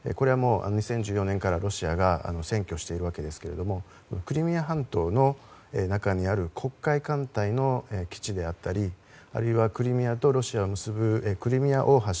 もう２０１４年からロシアが占拠しているわけですがクリミア半島の中にある黒海艦隊の基地であったりあるいはクリミアとロシアを結ぶクリミア大橋。